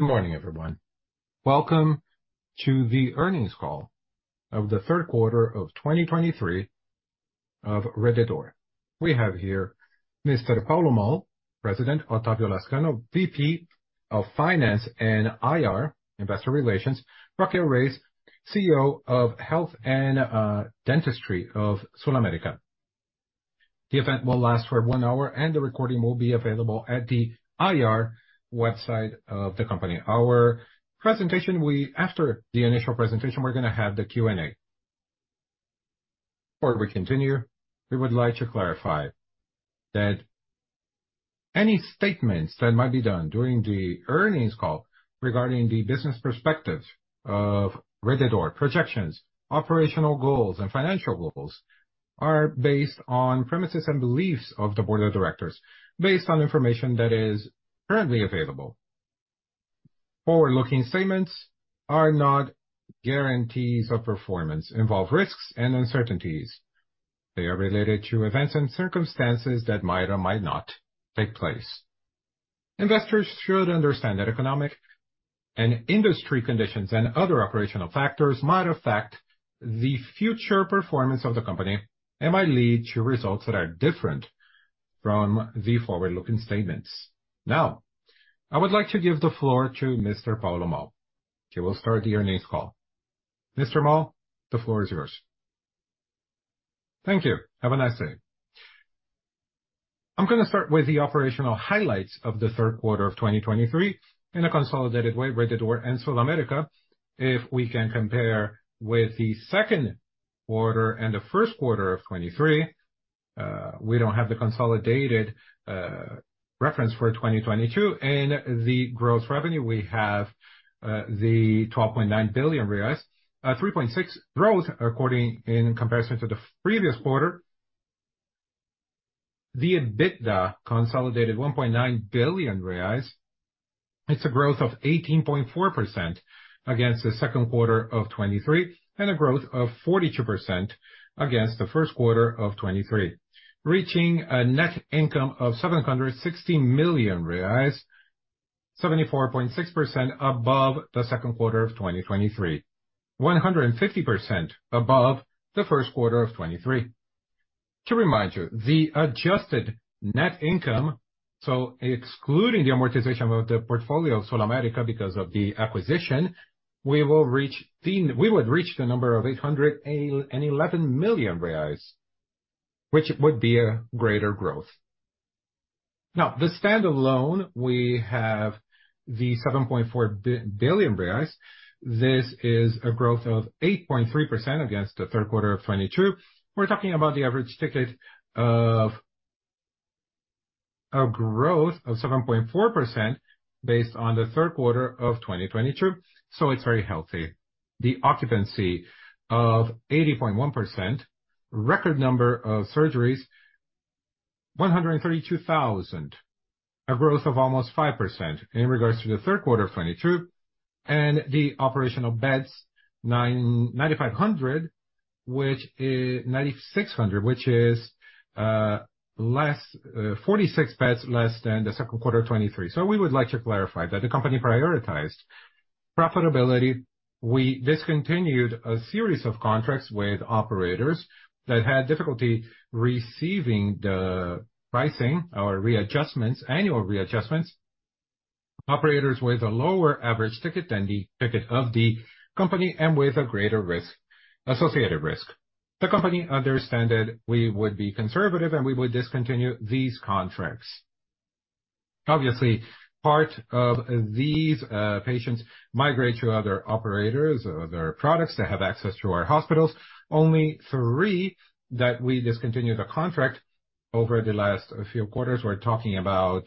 Good morning, everyone. Welcome to the earnings call of the third quarter of 2023 of Rede D'Or. We have here Mr. Paulo Moll, President, Otávio Lazcano, VP of Finance and IR, Investor Relations, Raquel Reis, CEO of Health and Dentistry of SulAmérica. The event will last for one hour, and the recording will be available at the IR website of the company. Our presentation. After the initial presentation, we're gonna have the Q&A. Before we continue, we would like to clarify that any statements that might be done during the earnings call regarding the business perspective of Rede D'Or, projections, operational goals and financial goals, are based on premises and beliefs of the board of directors, based on information that is currently available. Forward-looking statements are not guarantees of performance, involve risks and uncertainties. They are related to events and circumstances that might or might not take place. Investors should understand that economic and industry conditions and other operational factors might affect the future performance of the company and might lead to results that are different from the forward-looking statements. Now, I would like to give the floor to Mr. Paulo Moll. He will start the earnings call. Mr. Moll, the floor is yours. Thank you. Have a nice day. I'm gonna start with the operational highlights of the third quarter of 2023 in a consolidated way, Rede D'Or and SulAmérica. If we can compare with the second quarter and the first quarter of 2023, we don't have the consolidated reference for 2022, and the gross revenue, we have the 12.9 billion, 3.6 growth, according in comparison to the previous quarter. The EBITDA consolidated 1.9 billion reais. It's a growth of 18.4% against the second quarter of 2023, and a growth of 42% against the first quarter of 2023, reaching a net income of 760 million reais, 74.6% above the second quarter of 2023, 150% above the first quarter of 2023. To remind you, the adjusted net income, so excluding the amortization of the portfolio of SulAmérica, because of the acquisition, we will reach the, we would reach the number of 811 million reais, which would be a greater growth. Now, the standalone, we have the 7.4 billion reais. This is a growth of 8.3% against the third quarter of 2022. We're talking about the average ticket of a growth of 7.4% based on the third quarter of 2022, so it's very healthy. The occupancy of 80.1%, record number of surgeries, 132,000, a growth of almost 5% in regards to the third quarter of 2022, and the operational beds, 9,950, which is 9,600, which is, less, 46 beds, less than the second quarter of 2023. So we would like to clarify that the company prioritized profitability. We discontinued a series of contracts with operators that had difficulty receiving the pricing or readjustments, annual readjustments. Operators with a lower average ticket than the ticket of the company and with a greater risk, associated risk. The company understand that we would be conservative, and we would discontinue these contracts. Obviously, part of these patients migrate to other operators or other products that have access to our hospitals. Only three that we discontinued the contract over the last few quarters. We're talking about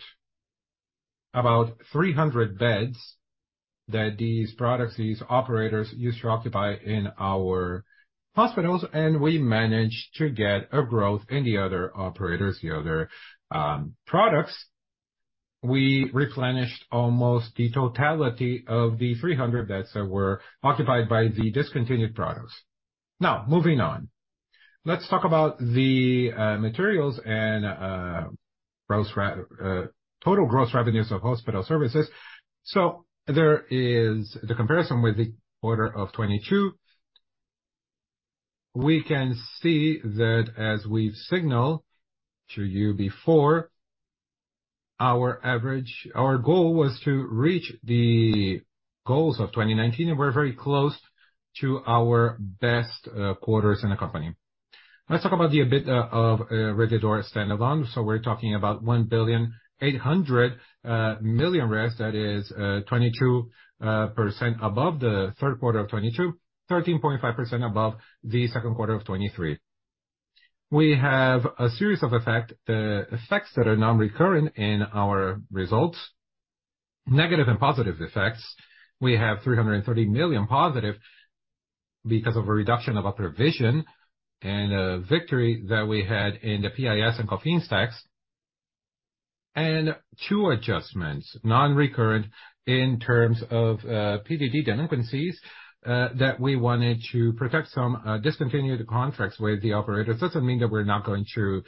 about 300 beds that these products, these operators, used to occupy in our hospitals, and we managed to get a growth in the other operators, the other products. We replenished almost the totality of the 300 beds that were occupied by the discontinued products. Now, moving on. Let's talk about the materials and total gross revenues of hospital services. So there is the comparison with the order of 2022. We can see that as we signal to you before. Our goal was to reach the goals of 2019, and we're very close to our best quarters in the company. Let's talk about the EBITDA of Rede D'Or standalone. So we're talking about 1.8 billion. That is 22% above the third quarter of 2022, 13.5% above the second quarter of 2023. We have a series of effects that are non-recurrent in our results, negative and positive effects. We have 330 million positive because of a reduction of other provision and a victory that we had in the PIS and COFINS tax, and two adjustments, non-recurrent, in terms of PDD delinquencies that we wanted to protect some discontinued contracts with the operators. Doesn't mean that we're not going to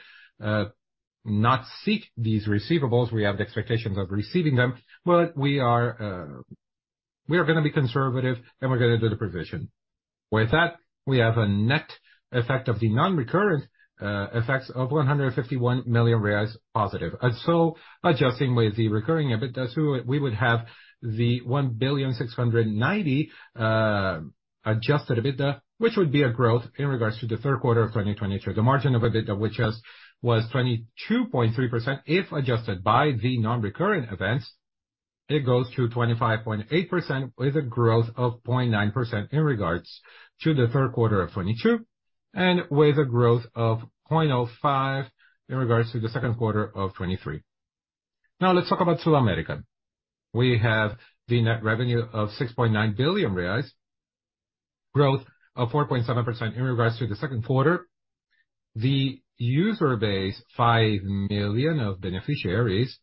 not seek these receivables. We have the expectations of receiving them, but we are we are going to be conservative, and we're going to do the provision. With that, we have a net effect of the non-recurrent effects of 151 million reais positive. So adjusting with the recurring EBITDA, we would have the 1.69 billion Adjusted EBITDA, which would be a growth in regards to the third quarter of 2022. The margin of EBITDA, which was 22.3%, if adjusted by the non-recurrent events, it goes to 25.8%, with a growth of 0.9% in regards to the third quarter of 2022, and with a growth of 0.05 in regards to the second quarter of 2023. Now, let's talk about SulAmérica. We have the net revenue of 6.9 billion reais, growth of 4.7% in regards to the second quarter. The user base, 5 million of beneficiaries,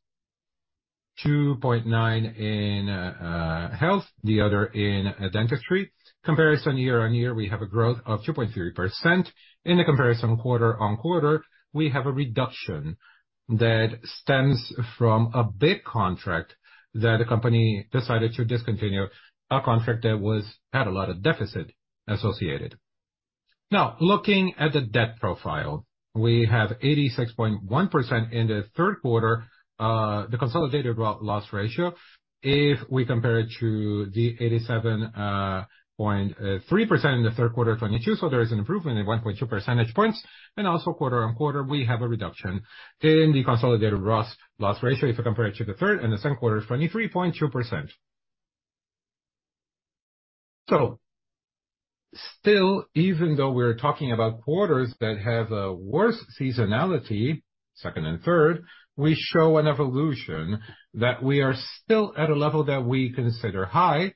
2.9 in health, the other in dentistry. Comparison year-on-year, we have a growth of 2.3%. In the comparison quarter-on-quarter, we have a reduction that stems from a big contract that the company decided to discontinue, a contract that had a lot of deficit associated. Now, looking at the debt profile, we have 86.1% in the third quarter, the consolidated loss ratio, if we compare it to the 87.3% in the third quarter of 2022. So there is an improvement in 1.2 percentage points. And also quarter-on-quarter, we have a reduction in the consolidated loss ratio if you compare it to the third and the same quarter, 23.2%. So still, even though we're talking about quarters that have a worse seasonality, second and third, we show an evolution that we are still at a level that we consider high,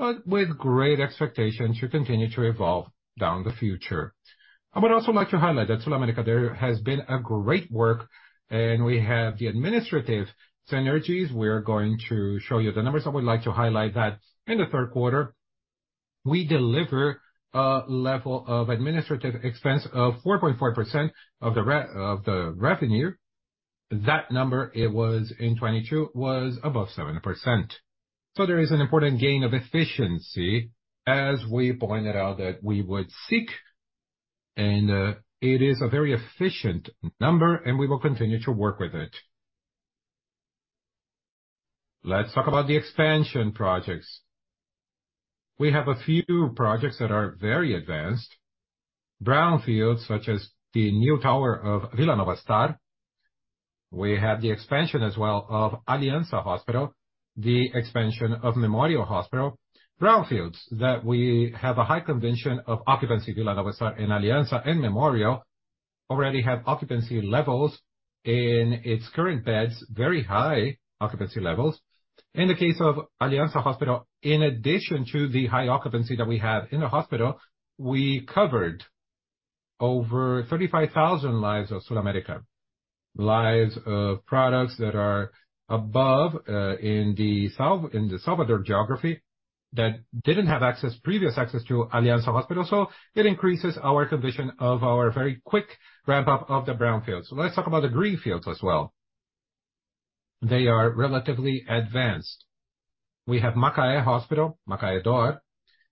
but with great expectations to continue to evolve down the future. I would also like to highlight that SulAmérica, there has been a great work, and we have the administrative synergies. We are going to show you the numbers. I would like to highlight that in the third quarter, we deliver a level of administrative expense of 4.4% of the revenue. That number, it was in 2022, was above 7%. So there is an important gain of efficiency, as we pointed out, that we would seek, and it is a very efficient number, and we will continue to work with it. Let's talk about the expansion projects. We have a few projects that are very advanced. Brownfields, such as the new tower of Vila Nova Star. We have the expansion as well of Aliança Hospital, the expansion of Memorial Hospital. Brownfields, that we have a high conviction of occupancy, Vila Nova and Aliança and Memorial, already have occupancy levels in its current beds, very high occupancy levels. In the case of Aliança Hospital, in addition to the high occupancy that we have in the hospital, we covered over 35,000 lives of SulAmérica, lives of products that are above in the Salvador geography, that didn't have access, previous access to Aliança Hospital. So it increases our conviction of our very quick ramp-up of the brownfields. So let's talk about the greenfields as well. They are relatively advanced. We have Macaé Hospital, Macaé D'Or,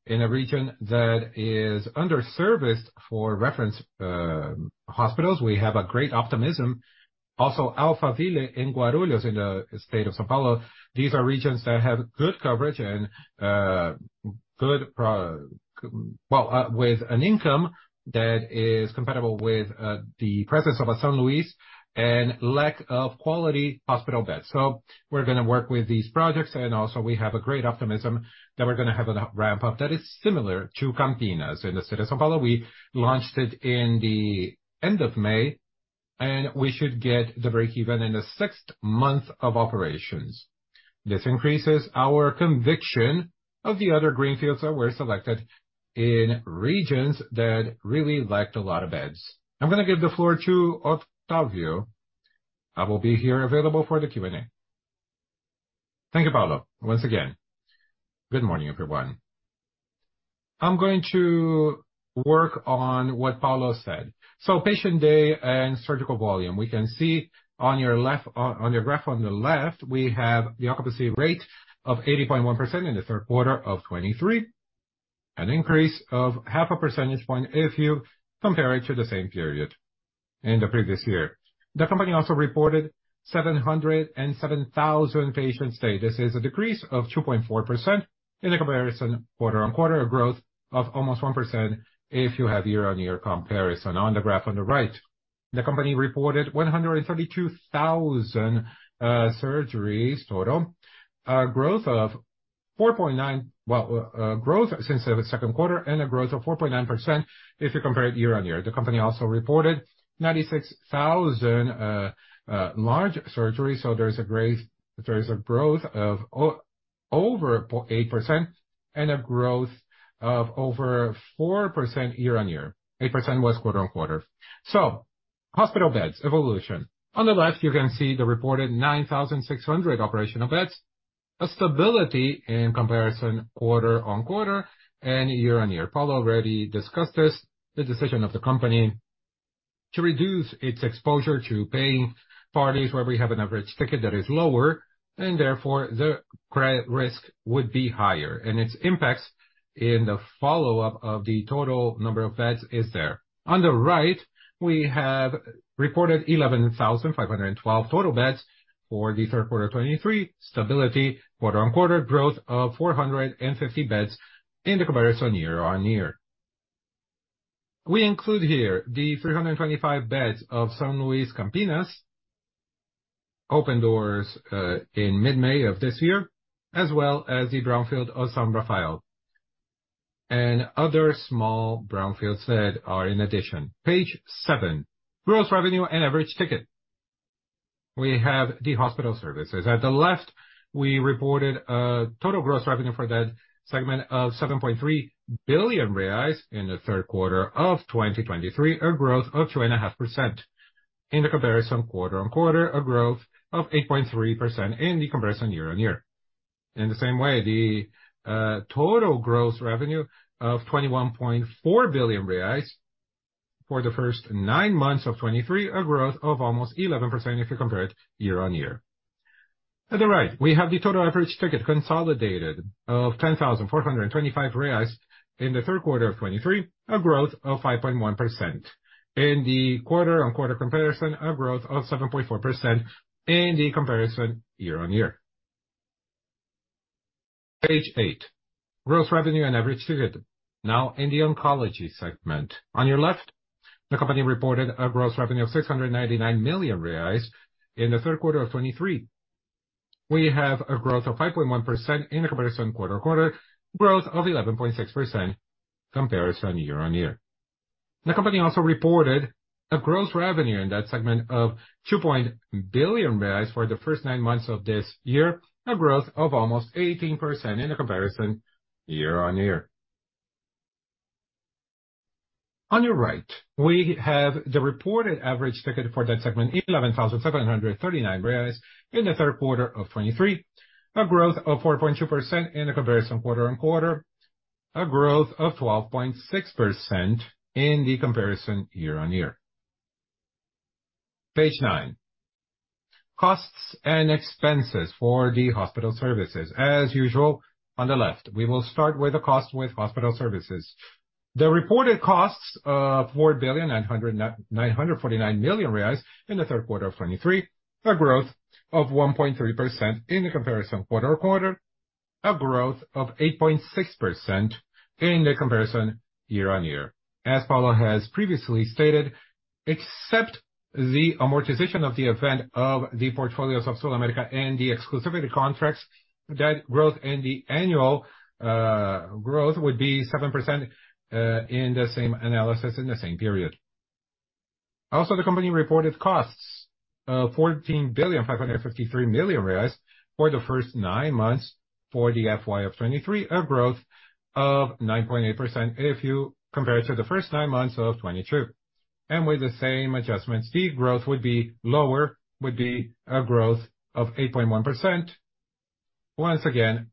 in a region that is under service for reference hospitals. We have a great optimism. Also, Alphaville, Guarulhos, in the state of São Paulo. These are regions that have good coverage and good, well, with an income that is compatible with the presence of a São Luiz and lack of quality hospital beds. So we're gonna work with these projects, and also we have a great optimism that we're gonna have a ramp-up that is similar to Campinas. In the city of São Paulo, we launched it in the end of May, and we should get the break-even in the sixth month of operations. This increases our conviction of the other greenfields that were selected in regions that really lacked a lot of beds. I'm going to give the floor to Otávio. I will be here available for the Q&A. Thank you, Paulo. Once again, good morning, everyone. I'm going to work on what Paulo said. So patient day and surgical volume. We can see on your left, on your graph on the left, we have the occupancy rate of 80.1% in the third quarter of 2023, an increase of 0.5 percentage point if you compare it to the same period in the previous year. The company also reported 707,000 patient stay. This is a decrease of 2.4% in the comparison quarter-on-quarter, a growth of almost 1% if you have year-on-year comparison. On the graph on the right, the company reported 132,000 surgeries total, a growth of 4.9... Well, growth since the second quarter, and a growth of 4.9% if you compare it year-on-year. The company also reported 96,000 large surgeries, so there's a growth of over 8% and a growth of over 4% year-on-year. 8% was quarter-on-quarter. So hospital beds evolution. On the left, you can see the reported 9,600 operational beds. A stability in comparison quarter-on-quarter and year-on-year. Paulo already discussed this, the decision of the company to reduce its exposure to paying parties where we have an average ticket that is lower, and therefore, the credit risk would be higher, and its impacts in the follow-up of the total number of beds is there. On the right, we have reported 11,512 total beds for the third quarter 2023. Stability quarter-on-quarter, growth of 450 beds in the comparison year-on-year. We include here the 325 beds of São Luiz Campinas, open doors in mid-May of this year, as well as the brownfield of São Rafael, and other small brownfields bed are in addition. Page seven, gross revenue and average ticket. We have the hospital services. At the left, we reported a total gross revenue for that segment of 7.3 billion reais in the third quarter of 2023, a growth of 2.5%. In the comparison quarter-on-quarter, a growth of 8.3% in the comparison year-on-year. In the same way, the total gross revenue of 21.4 billion reais for the first nine months of 2023, a growth of almost 11% if you compare it year-on-year. At the right, we have the total average ticket consolidated of 10,425 reais in the third quarter of 2023, a growth of 5.1%. In the quarter-on-quarter comparison, a growth of 7.4% in the comparison year-on-year. Page eight, gross revenue and average ticket. Now in the oncology segment. On your left, the company reported a gross revenue of 699 million reais in the third quarter of 2023. We have a growth of 5.1% in comparison quarter-on-quarter, growth of 11.6% comparison year-on-year. The company also reported a gross revenue in that segment of 2 billion reais for the first nine months of this year, a growth of almost 18% in the year-over-year comparison. On your right, we have the reported average ticket for that segment, 11,739 reais in the third quarter of 2023, a growth of 4.2% in the quarter-over-quarter comparison, a growth of 12.6% in the year-over-year comparison. Page nine, costs and expenses for the hospital services. As usual, on the left, we will start with the cost with hospital services. The reported costs of 4.949 billion in the third quarter of 2023, a growth of 1.3% in the quarter-over-quarter comparison, a growth of 8.6% in the year-over-year comparison. As Paulo has previously stated, except the amortization of the event of the portfolios of SulAmérica and the exclusivity contracts, that growth and the annual growth would be 7%, in the same analysis, in the same period. Also, the company reported costs of 14.553 billion for the first nine months for the FY of 2023, a growth of 9.8% if you compare it to the first nine months of 2022. With the same adjustments, the growth would be lower, would be a growth of 8.1%. Once again,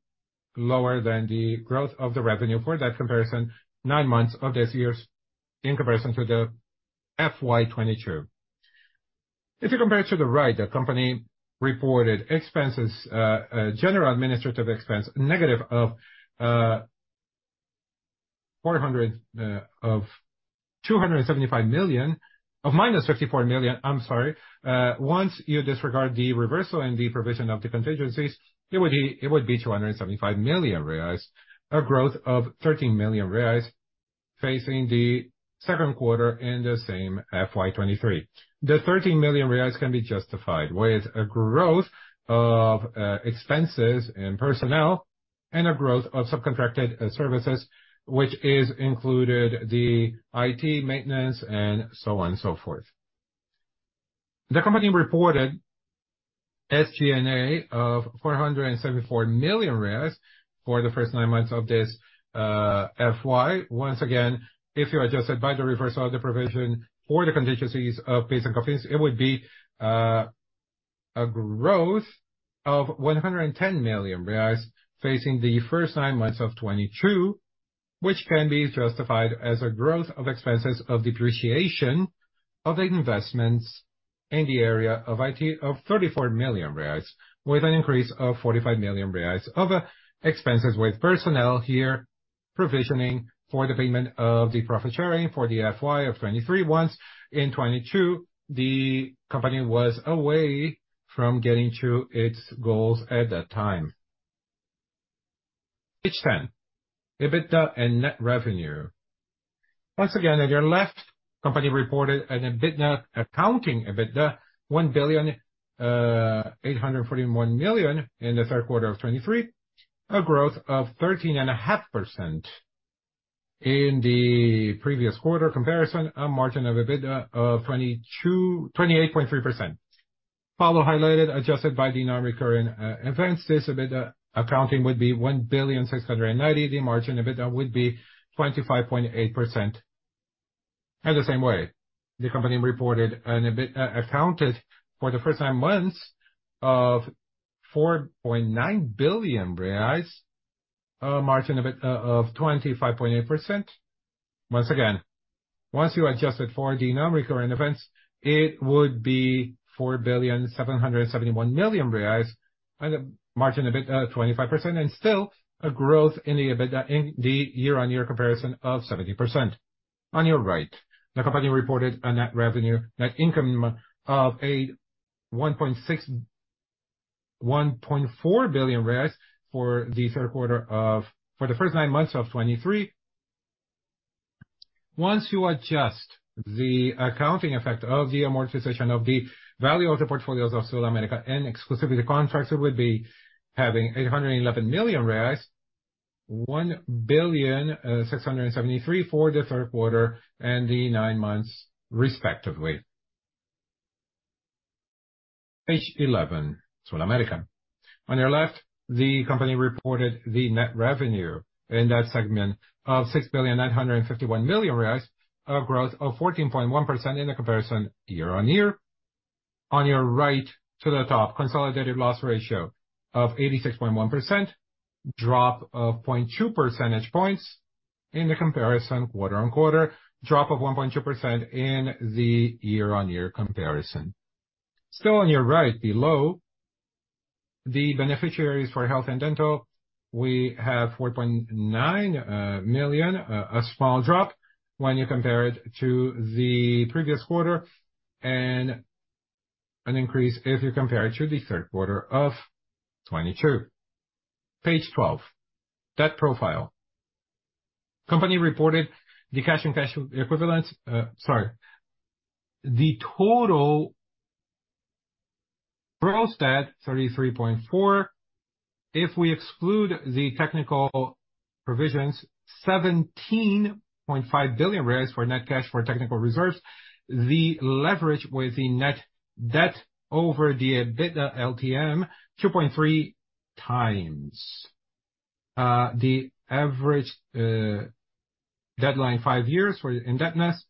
lower than the growth of the revenue for that comparison, nine months of this year in comparison to the FY 2022. If you compare it to the right, the company reported expenses, general administrative expense, -400 of 275 million. Of -54 million, I'm sorry. Once you disregard the reversal and the provision of the contingencies, it would be, it would be 275 million reais, a growth of 13 million reais, facing the second quarter in the same FY 2023. The 13 million reais can be justified, with a growth of expenses and personnel, and a growth of subcontracted services, which is included the IT, maintenance and so on and so forth. The company reported SG&A of 474 million for the first nine months of this FY. Once again, if you adjust it by the reverse of the provision for the contingencies of PIS and COFINS, it would be a growth of 110 million reais facing the first nine months of 2022, which can be justified as a growth of expenses of depreciation of the investments in the area of IT, of 34 million reais, with an increase of 45 million reais. Other expenses with personnel here, provisioning for the payment of the profit sharing for the FY of 2023. Once in 2022, the company was away from getting to its goals at that time. Page 10, EBITDA and net revenue. Once again, at your left, company reported an EBITDA, accounting EBITDA, 1,841 million in the third quarter of 2023, a growth of 13.5%. In the previous quarter comparison, a margin of EBITDA of 28.3%. Paulo highlighted, adjusted by the non-recurring events, this EBITDA accounting would be 1.69 billion. The margin EBITDA would be 25.8%.... The same way, the company reported an EBIT accounted for the first nine months of 4.9 billion reais, a margin of 25.8%. Once again, once you adjust it for the non-recurring events, it would be 4.771 billion, and a margin EBIT 25%, and still a growth in the EBITDA in the year-on-year comparison of 70%. On your right, the company reported a net revenue, net income of 1.4 billion BRL for the first nine months of 2023. Once you adjust the accounting effect of the amortization of the value of the portfolios of SulAmérica and exclusively the contracts, it would be having 811 million reais, 1,673 million for the third quarter and the nine months, respectively. Page eleven, SulAmérica. On your left, the company reported the net revenue in that segment of 6,951 million reais, a growth of 14.1% in the year-over-year comparison. On your right to the top, consolidated loss ratio of 86.1%, drop of 0.2 percentage points in the quarter-over-quarter comparison, drop of 1.2% in the year-over-year comparison. Still on your right below, the beneficiaries for health and dental, we have 4.9 million, a small drop when you compare it to the previous quarter, and an increase if you compare it to the third quarter of 2022. Page 12, debt profile. Company reported the cash and cash equivalents, sorry. The total gross debt, 33.4 billion. If we exclude the technical provisions, 17.5 billion for net cash for technical reserves, the leverage with the net debt over the EBITDA LTM, 2.3x, the average deadline, five years for indebtedness.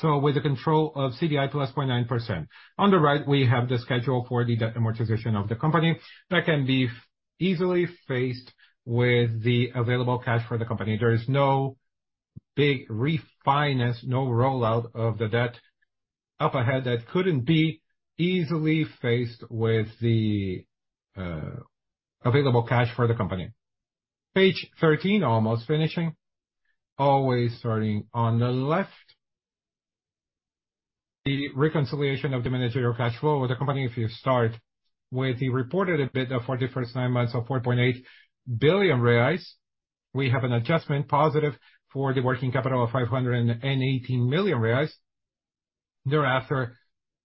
So with the cost of CDI + 0.9%. On the right, we have the schedule for the debt amortization of the company that can be easily faced with the available cash for the company. There is no big refinance, no rollout of the debt up ahead that couldn't be easily faced with the available cash for the company. Page 13, almost finishing. Always starting on the left. The reconciliation of the managerial cash flow with the company, if you start with the reported EBITDA for the first nine months of 4.8 billion reais, we have an adjustment positive for the working capital of 518 million reais. Thereafter,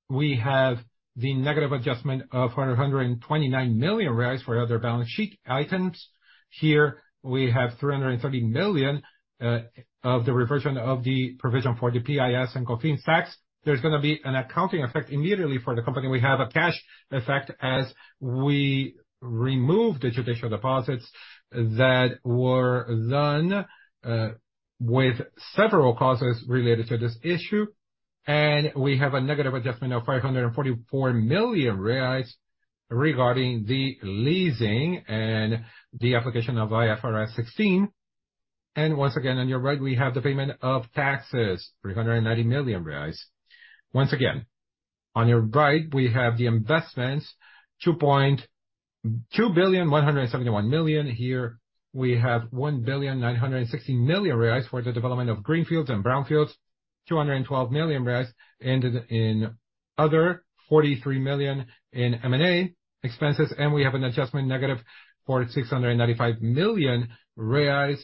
we have the negative adjustment of 429 million reais for other balance sheet items. Here we have 330 million of the reversion of the provision for the PIS and COFINS tax. There's gonna be an accounting effect immediately for the company. We have a cash effect as we remove the judicial deposits that were done with several causes related to this issue. We have a negative adjustment of 544 million reais regarding the leasing and the application of IFRS 16. Once again, on your right, we have the payment of taxes, 390 million reais. Once again, on your right, we have the investments, 2 billion, 171 million. Here we have 1,960 million reais for the development of greenfields and brownfields, 212 million reais, and in other 43 million in M&A expenses. We have an adjustment negative for 695 million reais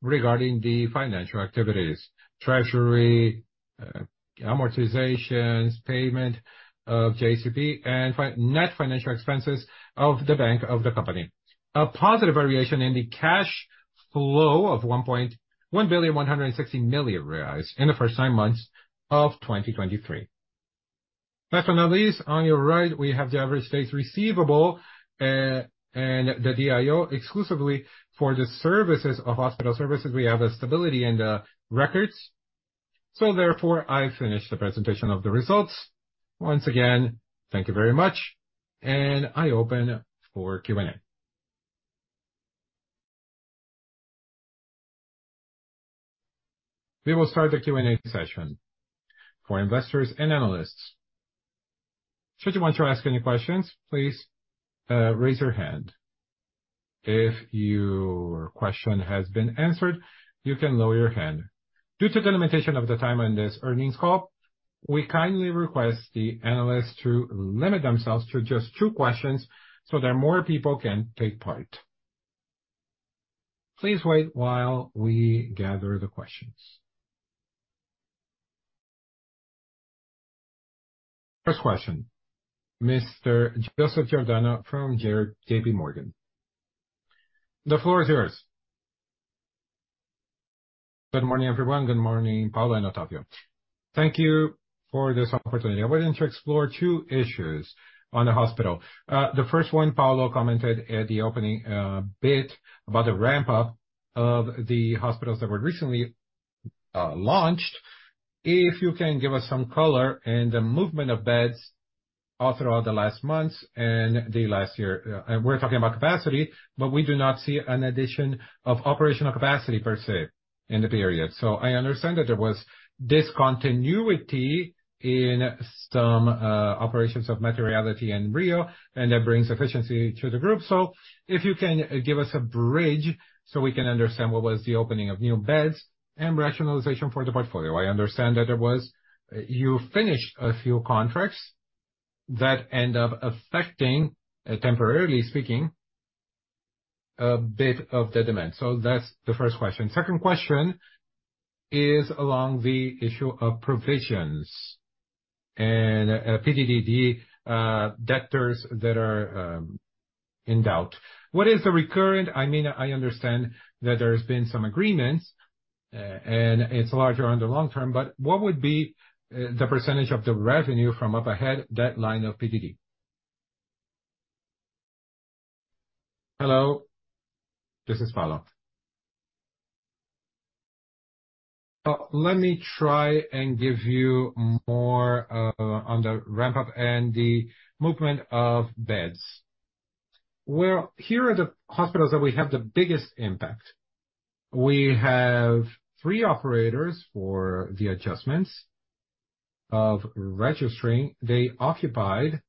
regarding the financial activities: treasury, amortizations, payment of JCP, and net financial expenses of the bank of the company. A positive variation in the cash flow of 1 billion, 160 million in the first nine months of 2023. Last but not least, on your right, we have the average days receivable, and the DIO exclusively for the services of hospital services. We have a stability in the records. So therefore, I finish the presentation of the results. Once again, thank you very much, and I open for Q&A. We will start the Q&A session for investors and analysts. Should you want to ask any questions, please, raise your hand. If your question has been answered, you can lower your hand. Due to the limitation of the time on this earnings call, we kindly request the analysts to limit themselves to just two questions, so that more people can take part. Please wait while we gather the questions. First question, Mr. Joseph Giordano from JPMorgan. The floor is yours. Good morning, everyone. Good morning, Paulo and Otávio. Thank you for this opportunity. I wanted to explore two issues on the hospital. The first one, Paulo commented at the opening bit about the ramp up of the hospitals that were recently launched. If you can give us some color and the movement of beds all throughout the last months and the last year. We're talking about capacity, but we do not see an addition of operational capacity per se in the period. So I understand that there was discontinuity in some operations of maternity and Rio, and that brings efficiency to the group. So if you can give us a bridge so we can understand what was the opening of new beds and rationalization for the portfolio. I understand that you finished a few contracts that end up affecting, temporarily speaking, a bit of the demand. So that's the first question. Second question is along the issue of provisions and, PDD, debtors that are, in doubt. What is the recurrent—I mean, I understand that there's been some agreements, and it's larger on the long term, but what would be, the percentage of the revenue from up ahead, that line of PDD? Hello, this is Paulo. Let me try and give you more, on the ramp up and the movement of beds. Well, here are the hospitals that we have the biggest impact. We have three operators for the adjustments of registering. They occupied.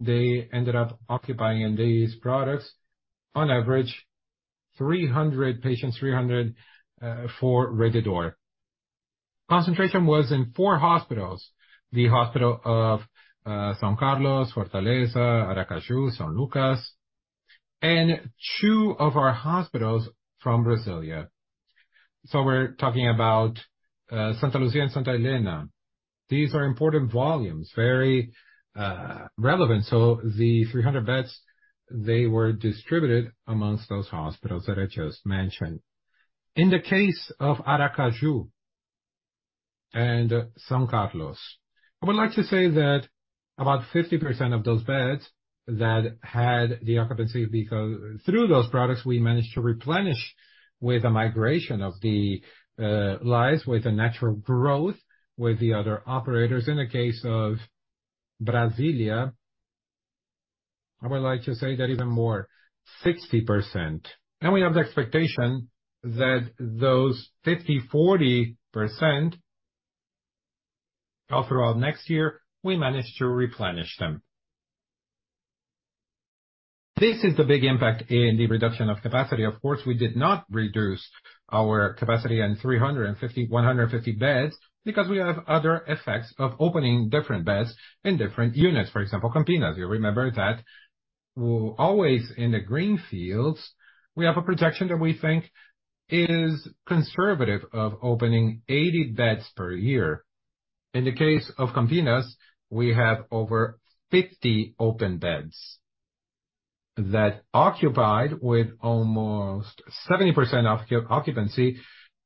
They ended up occupying in these products, on average, 300 patients, 300, for Rede D'Or. Concentration was in four hospitals, the Hospital São Carlos, Fortaleza, Aracaju, São Lucas, and two of our hospitals from Brasília. So we're talking about, Santa Lúcia and Santa Helena. These are important volumes, very relevant. So the 300 beds, they were distributed amongst those hospitals that I just mentioned. In the case of Aracaju and São Carlos, I would like to say that about 50% of those beds that had the occupancy, because through those products, we managed to replenish with a migration of the lives, with a natural growth with the other operators. In the case of Brasília, I would like to say that even more, 60%. And we have the expectation that those 50%-40%, all throughout next year, we manage to replenish them. This is the big impact in the reduction of capacity. Of course, we did not reduce our capacity in 350, 150 beds, because we have other effects of opening different beds in different units. For example, Campinas, you remember that always in the green fields, we have a projection that we think is conservative of opening 80 beds per year. In the case of Campinas, we have over 50 open beds that occupied with almost 70% occupancy,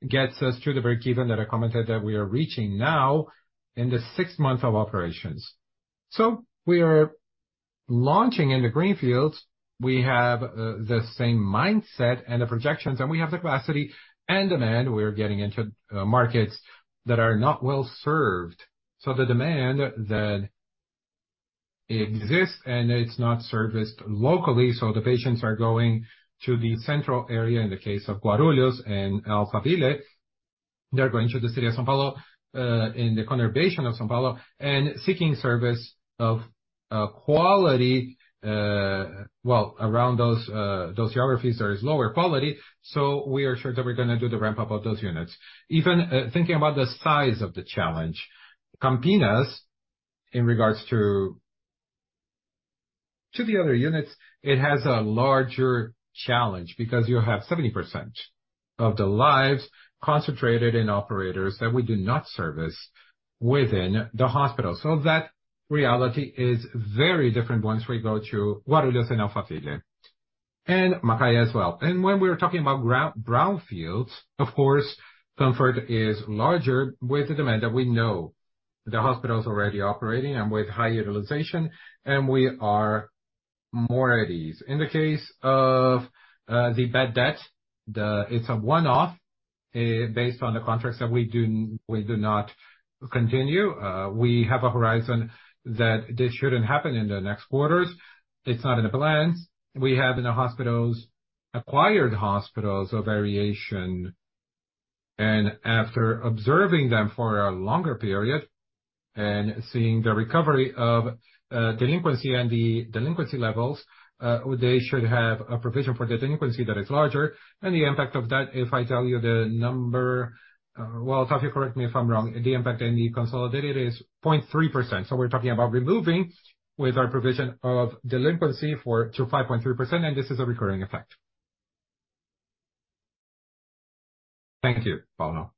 gets us to the break-even that I commented that we are reaching now in the sixth month of operations. So we are launching in the green fields. We have the same mindset and the projections, and we have the capacity and demand. We're getting into markets that are not well-served. So the demand that exists, and it's not serviced locally, so the patients are going to the central area. In the case of Guarulhos and Alphaville, they're going to the city of São Paulo in the conurbation of São Paulo, and seeking service of quality. Well, around those geographies, there is lower quality, so we are sure that we're gonna do the ramp-up of those units. Even thinking about the size of the challenge, Campinas, in regards to the other units, it has a larger challenge because you have 70% of the lives concentrated in operators that we do not service within the hospital. So that reality is very different once we go to Guarulhos and Alphaville, and Macaé as well. And when we're talking about brownfields, of course, comfort is larger with the demand that we know. The hospital is already operating and with high utilization, and we are more at ease. In the case of the bad debt, it's a one-off, based on the contracts that we do, we do not continue. We have a horizon that this shouldn't happen in the next quarters. It's not in the plans. We have in the hospitals, acquired hospitals, a variation, and after observing them for a longer period and seeing the recovery of delinquency and the delinquency levels, they should have a provision for the delinquency that is larger. And the impact of that, if I tell you the number, Otávio, correct me if I'm wrong, the impact in the consolidated is 0.3%. So we're talking about removing with our provision of delinquency for, to 5.3%, and this is a recurring effect. Thank you, Paulo.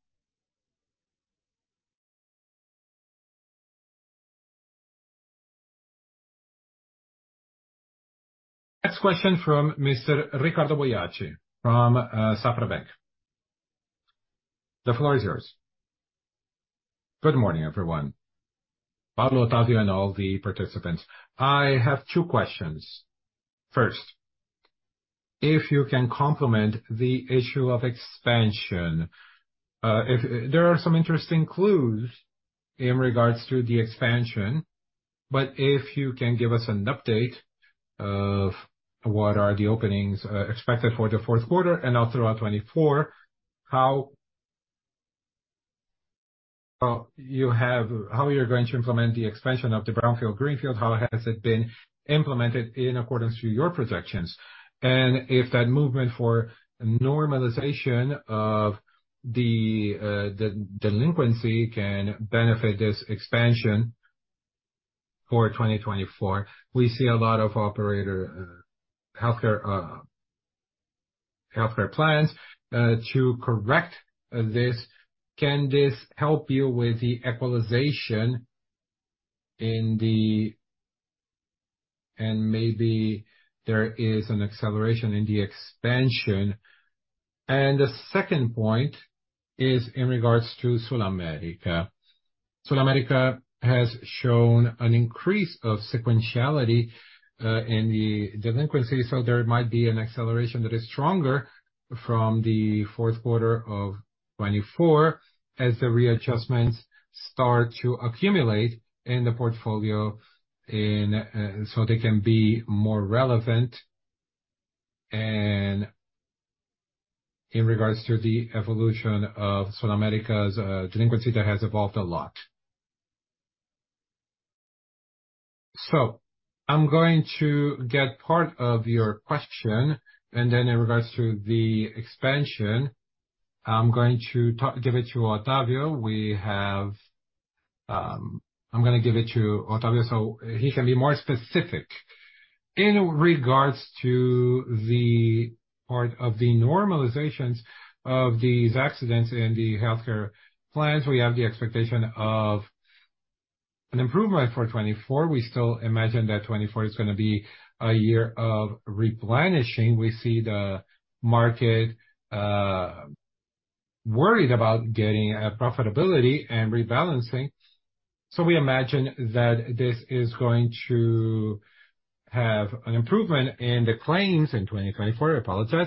Next question from Mr. Ricardo Boiati from Safra Bank. The floor is yours. Good morning, everyone, Paulo, Otávio, and all the participants. I have two questions. First, if you can complement the issue of expansion, if there are some interesting clues in regards to the expansion, but if you can give us an update of what are the openings expected for the fourth quarter and all throughout 2024, how you're going to implement the expansion of the brownfield, greenfield, how has it been implemented in accordance to your projections? And if that movement for normalization of the delinquency can benefit this expansion for 2024. We see a lot of operator healthcare plans to correct this. Can this help you with the equalization in the... And maybe there is an acceleration in the expansion. And the second point is in regards to SulAmérica. SulAmérica has shown an increase of sequentiality in the delinquency, so there might be an acceleration that is stronger from the fourth quarter of 2024 as the readjustments start to accumulate in the portfolio, and so they can be more relevant and in regards to the evolution of SulAmérica's delinquency, that has evolved a lot. So I'm going to get part of your question, and then in regards to the expansion, I'm going to give it to Otávio. I'm gonna give it to Otávio, so he can be more specific. In regards to the part of the normalizations of these accidents in the healthcare plans, we have the expectation of an improvement for 2024. We still imagine that 2024 is gonna be a year of replenishing. We see the market worried about getting a profitability and rebalancing. So we imagine that this is going to have an improvement in the claims in 2024, I apologize.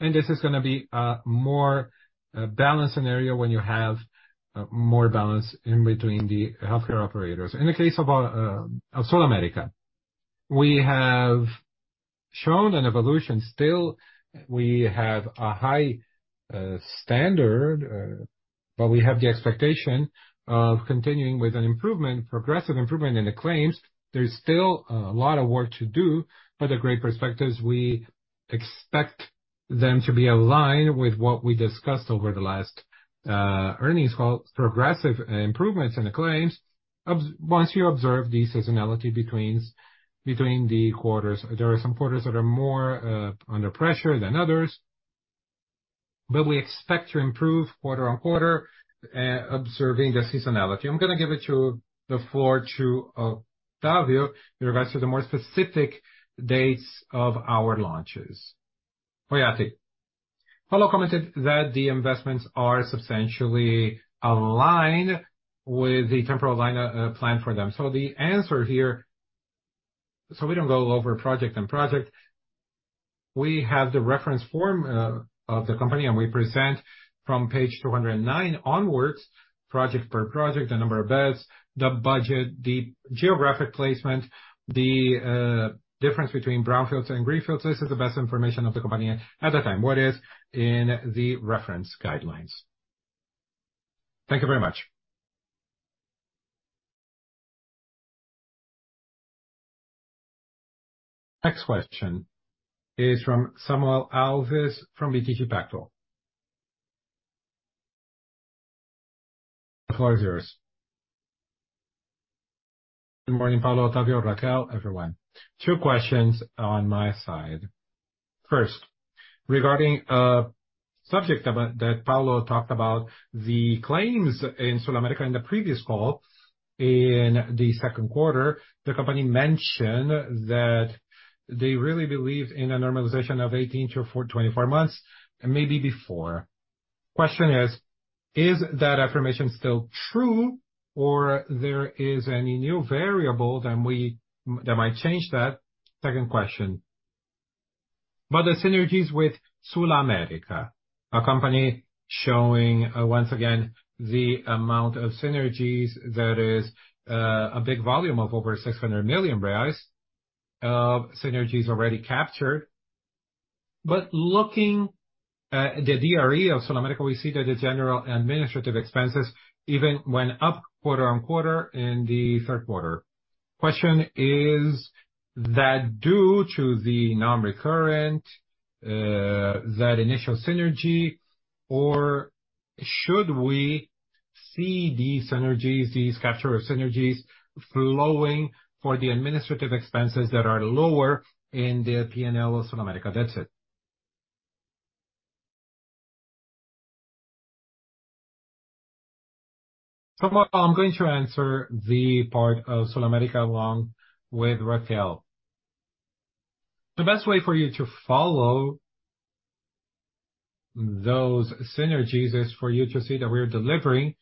And this is gonna be a more balanced scenario when you have more balance in between the healthcare operators. In the case of SulAmérica, we have shown an evolution. Still, we have a high standard, but we have the expectation of continuing with an improvement, progressive improvement in the claims. There's still a lot of work to do, but the great perspectives, we expect them to be aligned with what we discussed over the last earnings call, progressive improvements in the claims. Once you observe the seasonality between the quarters, there are some quarters that are more under pressure than others, but we expect to improve quarter-on-quarter, observing the seasonality. I'm gonna give it to the floor to Otávio, in regards to the more specific dates of our launches. Paulo commented that the investments are substantially aligned with the temporal align plan for them. So the answer here, so we don't go over project and project, we have the reference form of the company, and we present from page 209 onwards, project per project, the number of beds, the budget, the geographic placement, the difference between brownfields and greenfields. This is the best information of the company at the time, what is in the reference guidelines. Thank you very much. Next question is from Samuel Alves, from BTG Pactual. The floor is yours. Good morning, Paulo, Otávio, Raquel, everyone. Two questions on my side. First, regarding a subject about that Paulo talked about, the claims in SulAmérica in the previous call, in the second quarter, the company mentioned that they really believe in a normalization of 18-44 months and maybe before. Question is: Is that affirmation still true, or there is any new variable than we, that might change that? Second question, about the synergies with SulAmérica, a company showing once again the amount of synergies that is a big volume of over 600 million reais of synergies already captured. But looking at the DRE of SulAmérica, we see that the general administrative expenses even went up quarter on quarter in the third quarter. Question, is that due to the non-recurrent that initial synergy, or should we see these synergies, these capture of synergies, flowing for the administrative expenses that are lower in the P&L of SulAmérica? That's it. Samuel, I'm going to answer the part of SulAmérica, along with Raquel. The best way for you to follow those synergies is for you to see that we are delivering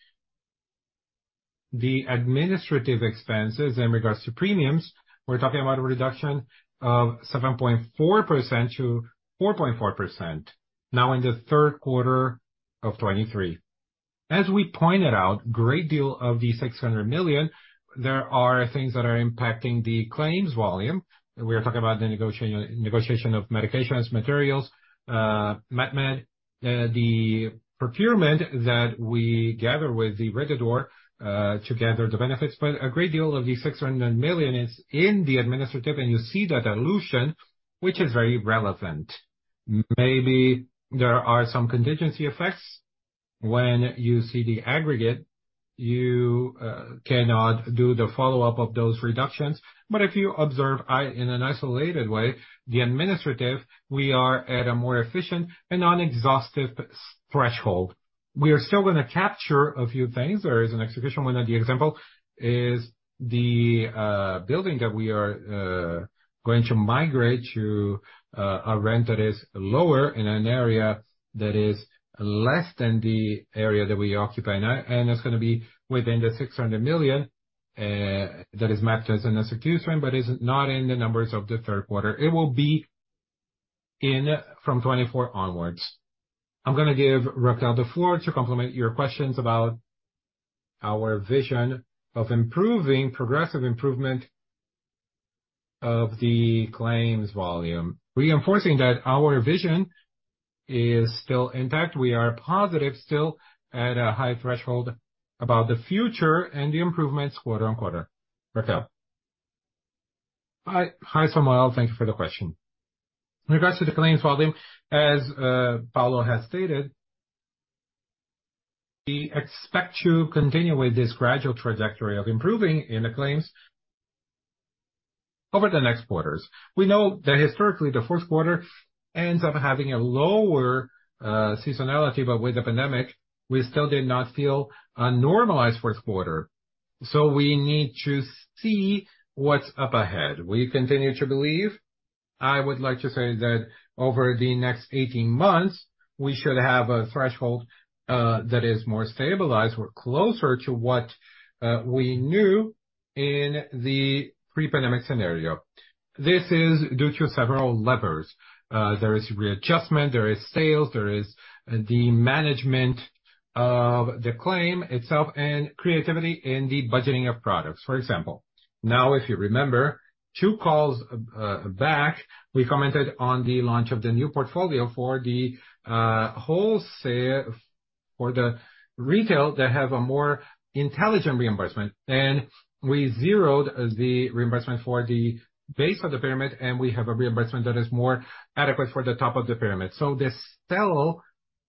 the administrative expenses in regards to premiums. We're talking about a reduction of 7.4% to 4.4% now in the third quarter of 2023. As we pointed out, great deal of the 600 million, there are things that are impacting the claims volume. We are talking about the negotiation of medications, materials, Mat/Med, the procurement that we gather with the regulator, to gather the benefits. But a great deal of the 600 million is in the administrative, and you see that dilution, which is very relevant. Maybe there are some contingency effects. When you see the aggregate, you cannot do the follow-up of those reductions. But if you observe it in an isolated way, the administrative, we are at a more efficient and non-exhaustive threshold. We are still gonna capture a few things. There is an execution. One of the example is the building that we are going to migrate to a rent that is lower in an area that is less than the area that we occupy. Now, and it's gonna be within the 600 million that is mapped as an execution, but is not in the numbers of the third quarter. It will be in from 2024 onwards. I'm gonna give Raquel the floor to complement your questions about our vision of improving progressive improvement of the claims volume. Reinforcing that our vision is still intact, we are positive still at a high threshold about the future and the improvements quarter-over-quarter. Raquel? Hi. Hi, Samuel. Thank you for the question. In regards to the claims volume, as Paulo has stated, we expect to continue with this gradual trajectory of improving in the claims over the next quarters. We know that historically, the first quarter ends up having a lower seasonality, but with the pandemic, we still did not feel a normalized fourth quarter, so we need to see what's up ahead. We continue to believe. I would like to say that over the next 18 months, we should have a threshold that is more stabilized or closer to what we knew in the pre-pandemic scenario. This is due to several levers. There is readjustment, there is sales, there is the management of the claim itself, and creativity in the budgeting of products. For example, now, if you remember, two calls back, we commented on the launch of the new portfolio for the retail, that have a more intelligent reimbursement, and we zeroed the reimbursement for the base of the pyramid, and we have a reimbursement that is more adequate for the top of the pyramid. So this sell,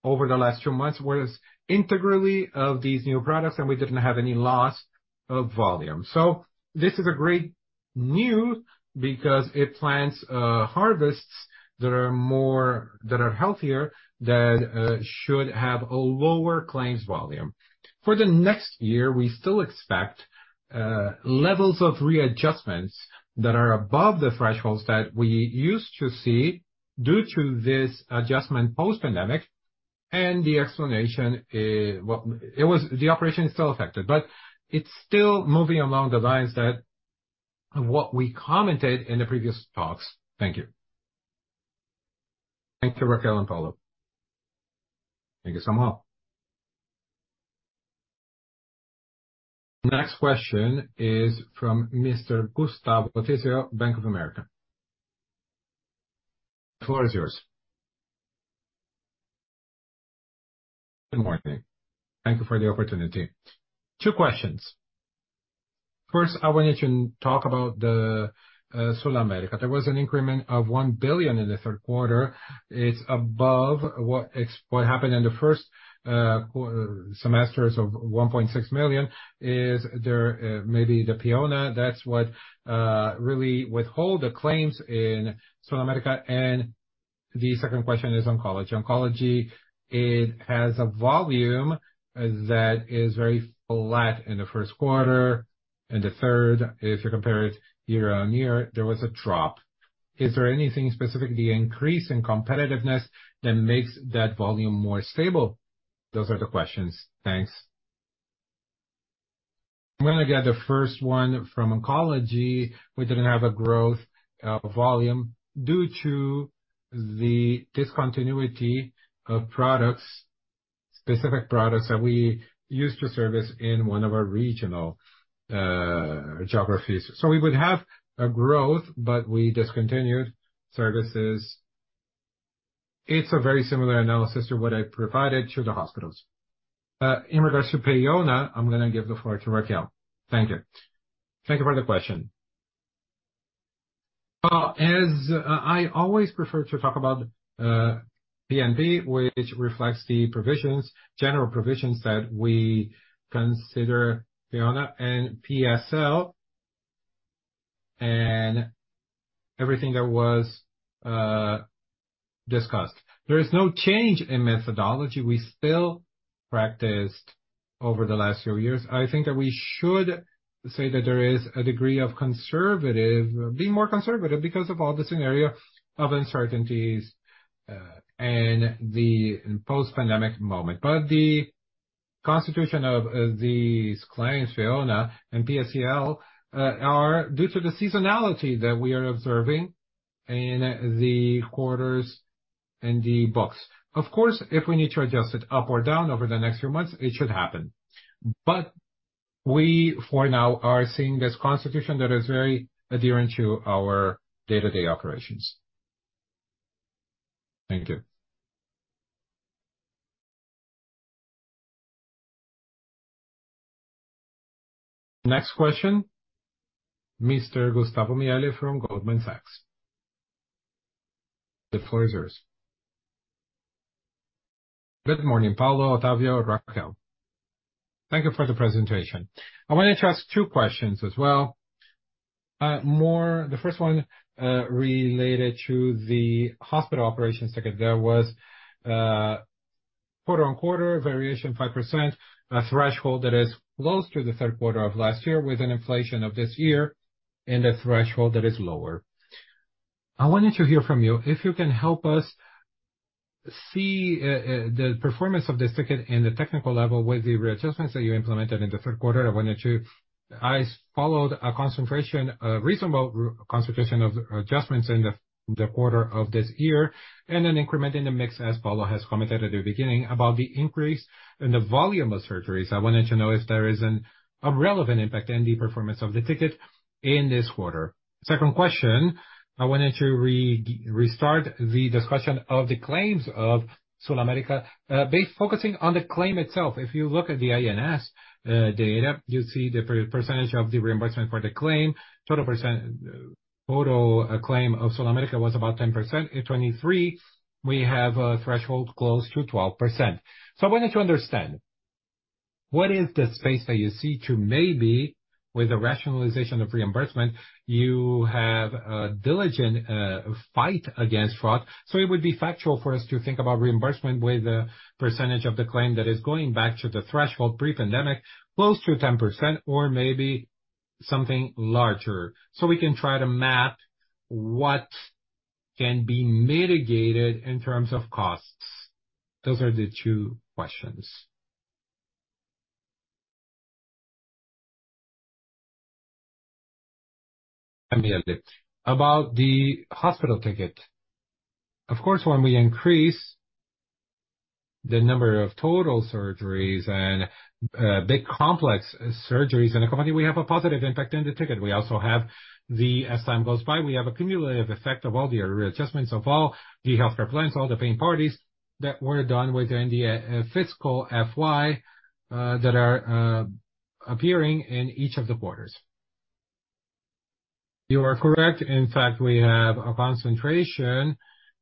over the last two months, was integrally of these new products, and we didn't have any loss of volume. So this is a great news because it plants harvests that are more, that are healthier, that should have a lower claims volume. For the next year, we still expect levels of readjustments that are above the thresholds that we used to see due to this adjustment post-pandemic, and the explanation is. Well, it was... The operation is still affected, but it's still moving along the lines that what we commented in the previous talks. Thank you. Thank you, Raquel and Paulo. Thank you, Samuel. Next question is from Mr. Gustavo Ortiz, Bank of America. The floor is yours. Good morning. Thank you for the opportunity. Two questions. First, I want you to talk about the SulAmérica. There was an increment of 1 billion in the third quarter. It's above what what happened in the first semesters of 1.6 million. Is there maybe the PEONA, that's what really withhold the claims in SulAmérica? And the second question is oncology. Oncology, it has a volume that is very flat in the first quarter, and the third, if you compare it year-on-year, there was a drop. Is there anything specific, the increase in competitiveness, that makes that volume more stable? Those are the questions. Thanks. I'm gonna get the first one. From oncology, we didn't have a growth of volume due to the discontinuity of products, specific products, that we used to service in one of our regional geographies. So we would have a growth, but we discontinued services. It's a very similar analysis to what I provided to the hospitals. In regards to PEONA, I'm gonna give the floor to Raquel. Thank you. Thank you for the question. As I always prefer to talk about PNB, which reflects the provisions, general provisions that we consider PEONA and PSL and everything that was discussed. There is no change in methodology we still practiced over the last few years. I think that we should say that there is a degree of conservative, being more conservative, because of all the scenario of uncertainties, and the post-pandemic moment. But the constitution of, of these clients, PEONA and PSL, are due to the seasonality that we are observing in the quarters and the books. Of course, if we need to adjust it up or down over the next few months, it should happen. But we, for now, are seeing this constitution that is very adherent to our day-to-day operations. Thank you. Next question, Mr. Gustavo Miele from Goldman Sachs. Good morning, Paulo, Otávio, Raquel. Thank you for the presentation. I wanted to ask two questions as well. More, the first one, related to the hospital operations ticket. There was quarter-on-quarter variation, 5%, a threshold that is close to the third quarter of last year, with an inflation of this year and a threshold that is lower. I wanted to hear from you, if you can help us see the performance of this ticket and the technical level with the readjustments that you implemented in the third quarter. I wanted to I followed a concentration, a reasonable concentration of adjustments in the quarter of this year, and an increment in the mix, as Paulo has commented at the beginning, about the increase in the volume of surgeries. I wanted to know if there is a relevant impact in the performance of the ticket in this quarter. Second question, I wanted to restart the discussion of the claims of SulAmérica, focusing on the claim itself. If you look at the ANS data, you see the percentage of the reimbursement for the claim. Total claim of SulAmérica was about 10%. In 2023, we have a threshold close to 12%. So I wanted to understand, what is the space that you see to maybe, with the rationalization of reimbursement, you have a diligent fight against fraud. So it would be factual for us to think about reimbursement with the percentage of the claim that is going back to the threshold pre-pandemic, close to 10% or maybe something larger, so we can try to map what can be mitigated in terms of costs. Those are the two questions. About the hospital ticket. Of course, when we increase the number of total surgeries and big complex surgeries in a company, we have a positive impact in the ticket. As time goes by, we have a cumulative effect of all the readjustments, of all the healthcare plans, all the paying parties that were done within the fiscal FY, that are appearing in each of the quarters. You are correct. In fact, we have a concentration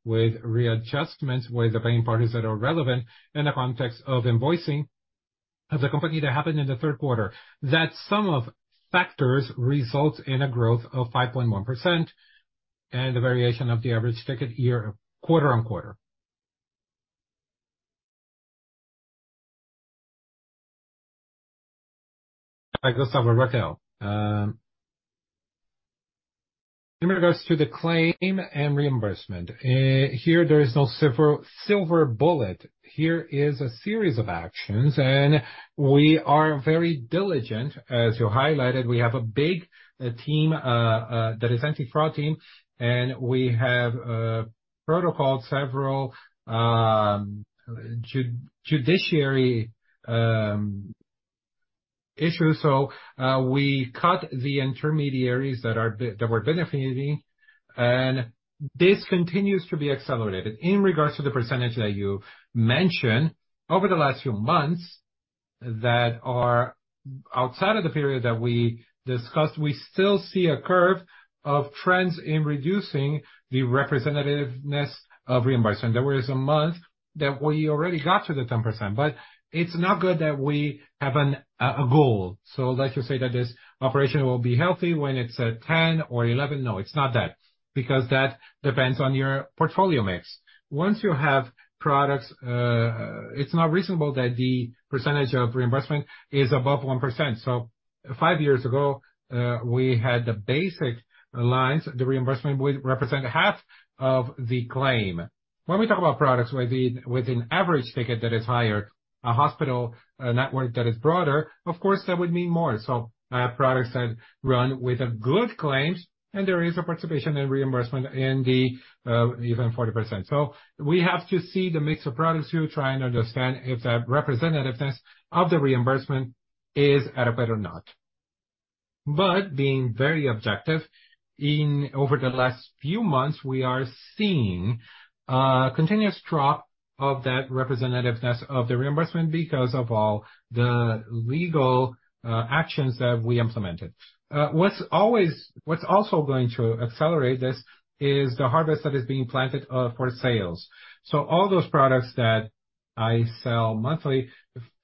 with readjustments, with the paying parties that are relevant in the context of invoicing as a company that happened in the third quarter. That sum of factors results in a growth of 5.1% and a variation of the average ticket year, quarter-on-quarter. In regards to the claim and reimbursement, here there is no silver bullet. Here is a series of actions, and we are very diligent. As you highlighted, we have a big team that is anti-fraud team, and we have protocol, several judiciary issues. So we cut the intermediaries that were benefiting, and this continues to be accelerated. In regards to the percentage that you mentioned, over the last few months that are outside of the period that we discussed, we still see a curve of trends in reducing the representativeness of reimbursement. There was a month that we already got to the 10%, but it's not good that we have a goal. So let's just say that this operation will be healthy when it's at 10 or 11. No, it's not that, because that depends on your portfolio mix. Once you have products, it's not reasonable that the percentage of reimbursement is above 1%. So five years ago, we had the basic lines. The reimbursement would represent half of the claim. When we talk about products with an average ticket that is higher, a hospital network that is broader, of course, that would mean more. So, products that run with a good claims, and there is a participation and reimbursement in the even 40%. So we have to see the mix of products to try and understand if the representativeness of the reimbursement is at a better or not. But being very objective, in over the last few months, we are seeing a continuous drop of that representativeness of the reimbursement because of all the legal actions that we implemented. What's always. What's also going to accelerate this is the harvest that is being planted for sales. So all those products that-... I sell monthly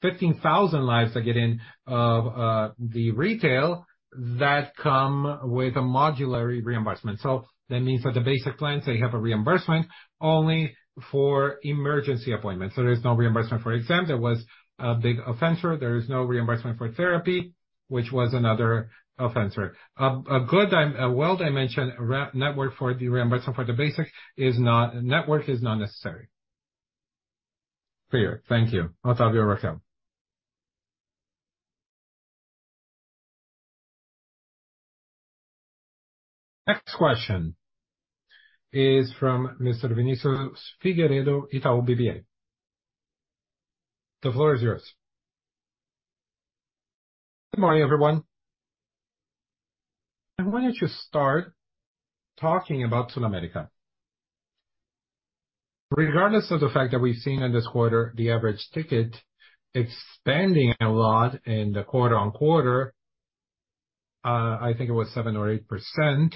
15,000 lives that get in of the retail that come with a modular reimbursement. So that means that the basic plans, they have a reimbursement only for emergency appointments. So there is no reimbursement for exams. That was a big offender. There is no reimbursement for therapy, which was another offender. A well-dimensioned reimbursement network for the basic is not necessary. Clear. Thank you. Otávio, Raquel. Next question is from Mr. Vinicius Figueiredo, Itaú BBA. The floor is yours. Good morning, everyone. I wanted to start talking about SulAmérica. Regardless of the fact that we've seen in this quarter, the average ticket expanding a lot in the quarter-over-quarter, I think it was 7% or 8%.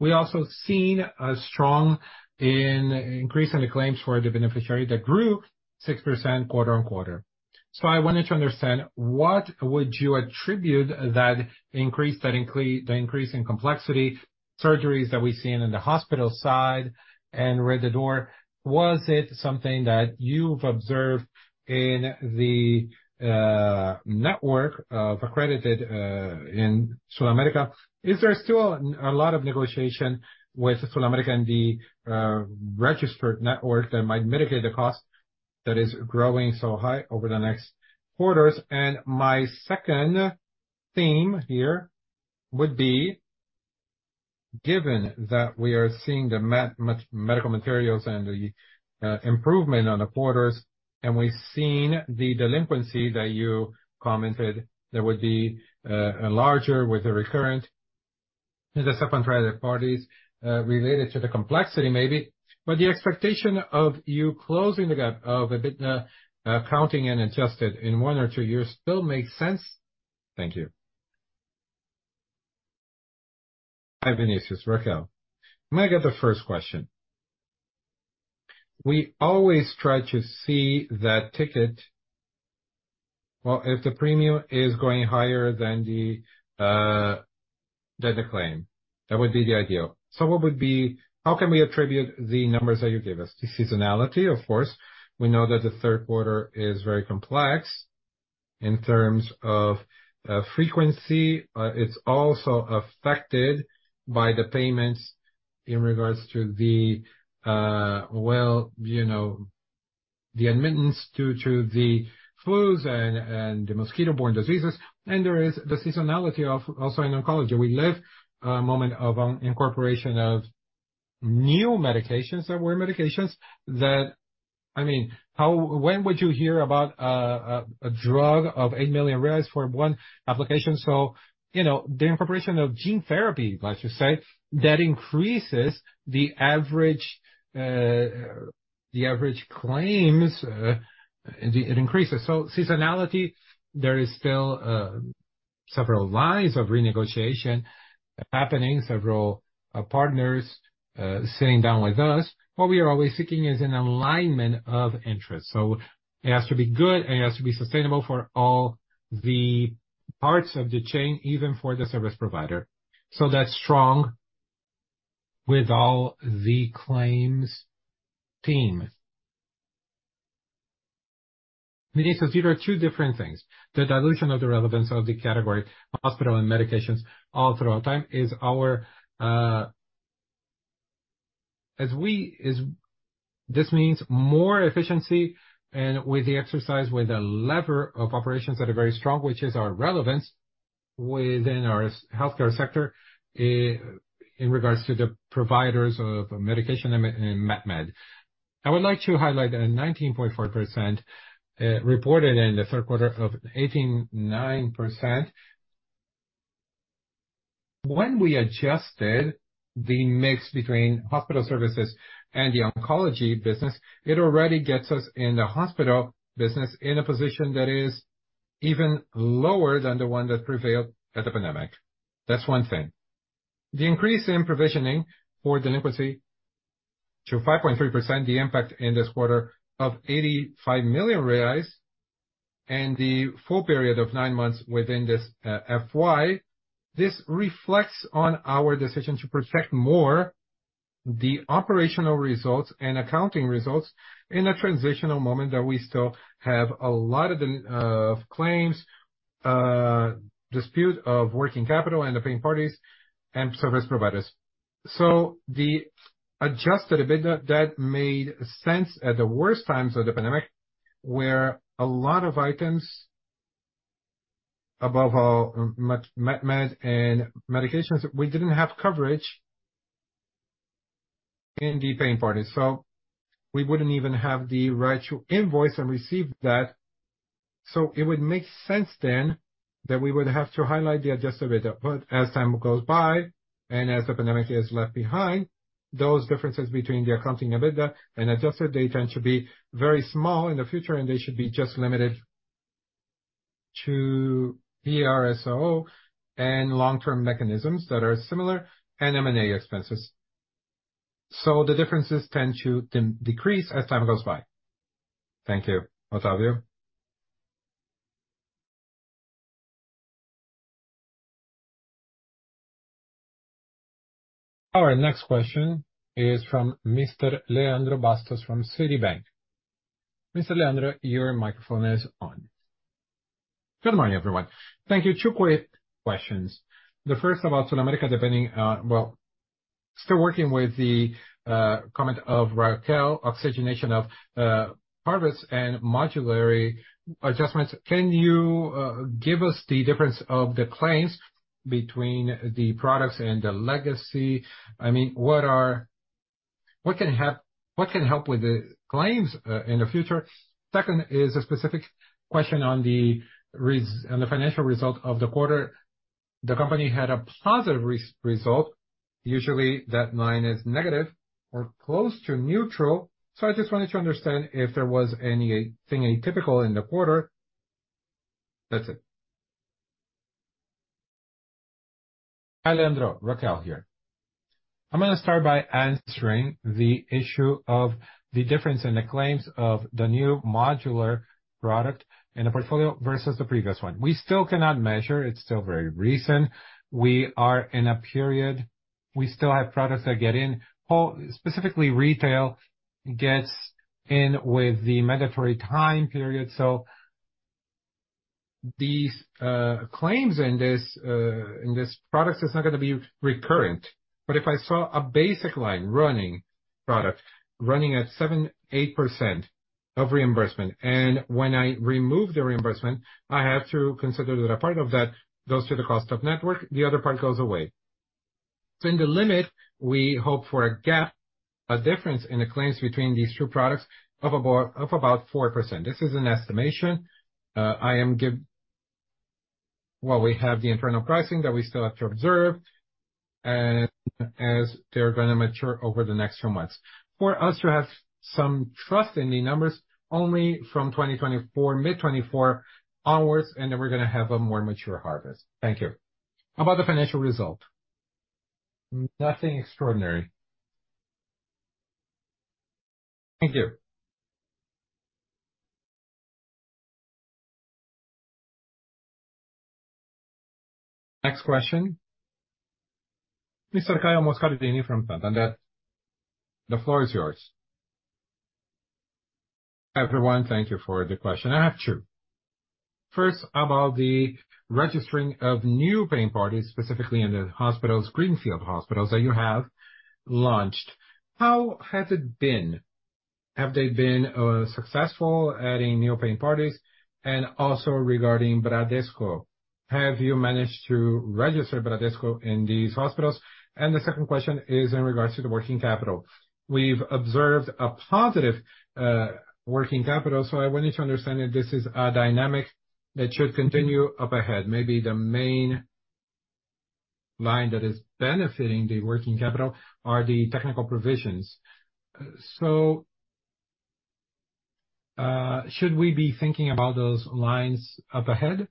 We've also seen a strong increase in the claims for the beneficiary that grew 6% quarter-on-quarter. So I wanted to understand, what would you attribute that increase, the increase in complexity, surgeries that we've seen in the hospital side and Rede D'Or? Was it something that you've observed in the network of accredited in SulAmérica? Is there still a lot of negotiation with SulAmérica and the registered network that might mitigate the cost that is growing so high over the next quarters? And my second theme here would be, given that we are seeing the medical materials and the improvement on the quarters, and we've seen the delinquency that you commented that would be larger with a recurrent, the supplementary parties related to the complexity, maybe. But the expectation of you closing the gap of a bit, accounting and adjusted in one or two years still makes sense? Thank you. Hi, Vinicius. Raquel, I'm gonna get the first question. We always try to see that ticket, well, if the premium is going higher than the, than the claim, that would be the ideal. So what would be, how can we attribute the numbers that you gave us? The seasonality, of course, we know that the third quarter is very complex in terms of, frequency. It's also affected by the payments in regards to the, well, you know, the admittance due to the flus and, and the mosquito-borne diseases. And there is the seasonality of also in oncology. We live a moment of, incorporation of new medications that were medications that... I mean, when would you hear about a drug of 8 million reais for one application? So, you know, the incorporation of gene therapy, let's just say, that increases the average, the average claims, it increases. So seasonality, there is still several lines of renegotiation happening, several partners sitting down with us. What we are always seeking is an alignment of interest. So it has to be good, it has to be sustainable for all the parts of the chain, even for the service provider. So that's strong with all the claims team. Vinicius, these are two different things. The dilution of the relevance of the category, hospital and medications, all throughout time, is our, as we is this means more efficiency and with the exercise, with the lever of operations that are very strong, which is our relevance within our healthcare sector, in regards to the providers of medication and MedMed. I would like to highlight that a 19.4%, reported in the third quarter of 2018 9%. When we adjusted the mix between hospital services and the oncology business, it already gets us in the hospital business, in a position that is even lower than the one that prevailed at the pandemic. That's one thing. The increase in provisioning for delinquency to 5.3%, the impact in this quarter of 85 million reais and the full period of nine months within this FY. This reflects on our decision to protect more the operational results and accounting results in a transitional moment that we still have a lot of the claims dispute of working capital and the paying parties and service providers. So the Adjusted EBITDA that made sense at the worst times of the pandemic, where a lot of items above all, medications, we didn't have coverage in the paying party, so we wouldn't even have the right to invoice and receive that. So it would make sense then that we would have to highlight the Adjusted EBITDA. But as time goes by, and as the pandemic is left behind, those differences between the accounting EBITDA and adjusted data tend to be very small in the future, and they should be just limited to VRSO and long-term mechanisms that are similar and M&A expenses. So the differences tend to decrease as time goes by. Thank you. Otávio. Our next question is from Mr. Leandro Bastos from Citibank. Mr. Leandro, your microphone is on. Good morning, everyone. Thank you. Two quick questions. The first about SulAmérica depending, well, still working with the comment of Raquel, oxygenation of harvest and modularity adjustments. Can you give us the difference of the claims between the products and the legacy? I mean, what can help with the claims in the future? Second, is a specific question on the financial result of the quarter. The company had a positive result. Usually, that line is negative or close to neutral. So I just wanted to understand if there was anything atypical in the quarter. That's it. Hi, Leandro. Raquel here. I'm gonna start by answering the issue of the difference in the claims of the new modular product in the portfolio versus the previous one. We still cannot measure. It's still very recent. We are in a period, we still have products that get in. Oh, specifically, retail gets in with the mandatory time period, so these, claims in this, in this product is not gonna be recurrent. But if I saw a basic line running, product, running at 7%-8% of reimbursement, and when I remove the reimbursement, I have to consider that a part of that goes to the cost of network, the other part goes away. So in the limit, we hope for a gap, a difference in the claims between these two products of abo- of about 4%. This is an estimation. I am give... Well, we have the internal pricing that we still have to observe, and as they're gonna mature over the next few months. For us to have some trust in the numbers, only from 2024, mid-2024 onwards, and then we're gonna have a more mature harvest. Thank you. How about the financial result? Nothing extraordinary. Thank you. Next question. Mr. Caio Moscardini from Santander. The floor is yours. Hi, everyone. Thank you for the question. I have two. First, about the registering of new paying parties, specifically in the hospitals, Greenfield hospitals, that you have launched. How has it been? Have they been successful adding new paying parties? And also regarding Bradesco, have you managed to register Bradesco in these hospitals? And the second question is in regards to the working capital. We've observed a positive working capital, so I wanted to understand if this is a dynamic that should continue up ahead. Maybe the main line that is benefiting the working capital are the technical provisions. So, should we be thinking about those lines up ahead?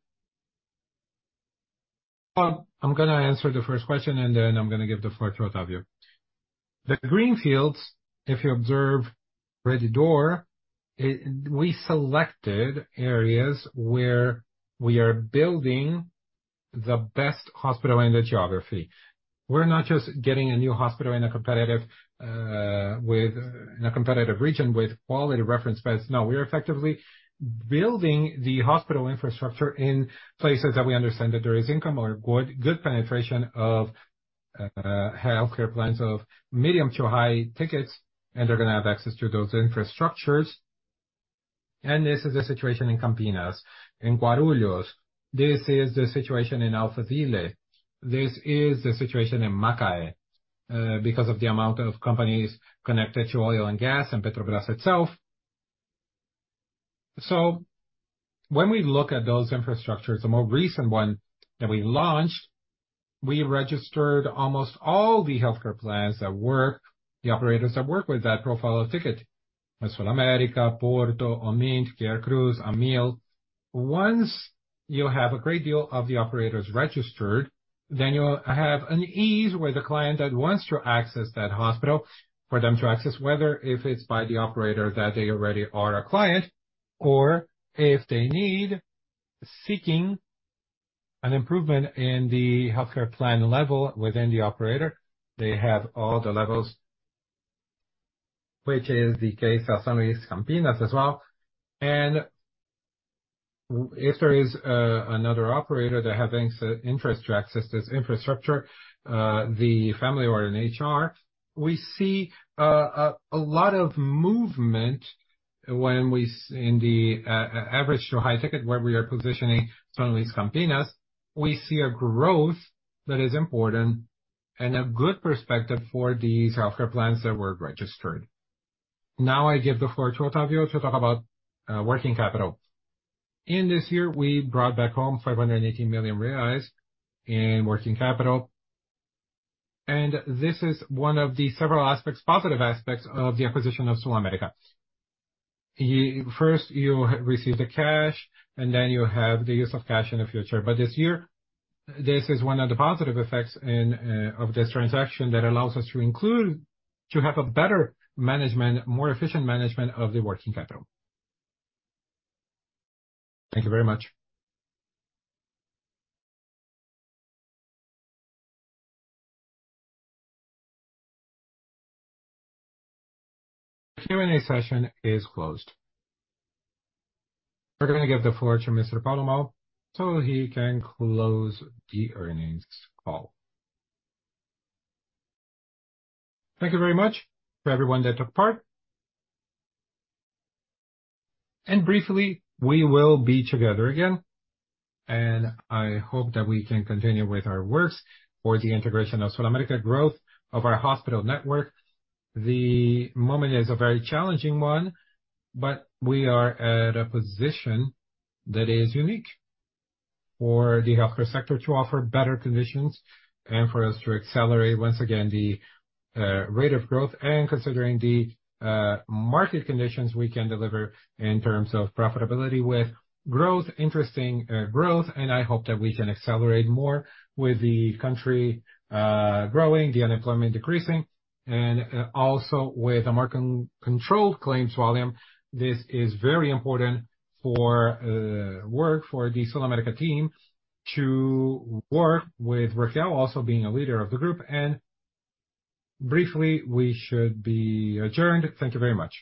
I'm gonna answer the first question, and then I'm gonna give the floor to Otávio. The greenfields, if you observe Rede D'Or, it—we selected areas where we are building the best hospital in the geography. We're not just getting a new hospital in a competitive, with, in a competitive region with quality reference beds. No, we are effectively building the hospital infrastructure in places that we understand that there is income or good, good penetration of, healthcare plans, of medium to high tickets, and they're gonna have access to those infrastructures. And this is the situation in Campinas. In Guarulhos, this is the situation in Alphaville. This is the situation in Macaé, because of the amount of companies connected to oil and gas and Petrobras itself. So when we look at those infrastructures, the more recent one that we launched, we registered almost all the healthcare plans that work, the operators that work with that profile of ticket. As SulAmérica, Porto, Omint, Care Plus, Amil. Once you have a great deal of the operators registered, then you'll have an ease with the client that wants to access that hospital, for them to access, whether if it's by the operator that they already are a client, or if they need seeking an improvement in the healthcare plan level within the operator, they have all the levels, which is the case of São Luiz Campinas as well. If there is another operator that has interest to access this infrastructure, the family or an HR, we see a lot of movement in the average to high ticket, where we are positioning São Luiz Campinas, we see a growth that is important and a good perspective for these healthcare plans that were registered. Now, I give the floor to Otávio to talk about working capital. In this year, we brought back home 580 million reais in working capital, and this is one of the several aspects, positive aspects, of the acquisition of SulAmérica. First, you receive the cash, and then you have the use of cash in the future. But this year, this is one of the positive effects in of this transaction that allows us to include, to have a better management, more efficient management of the working capital. Thank you very much. The Q&A session is closed. We're gonna give the floor to Mr. Paulo Moll, so he can close the earnings call. Thank you very much for everyone that took part. And briefly, we will be together again, and I hope that we can continue with our works for the integration of SulAmérica growth of our hospital network. The moment is a very challenging one, but we are at a position that is unique for the healthcare sector to offer better conditions and for us to accelerate once again the rate of growth. And considering the market conditions, we can deliver in terms of profitability with growth, interesting growth. I hope that we can accelerate more with the country growing, the unemployment decreasing, and also with a more controlled claims volume. This is very important for work, for the SulAmérica team to work, with Raquel also being a leader of the group. Briefly, we should be adjourned. Thank you very much.